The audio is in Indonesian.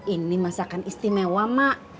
ini masakan istimewa mak